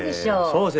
そうですね。